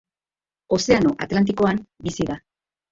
Ozeano Atlantikoan bizi da.